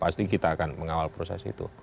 pasti kita akan mengawal proses itu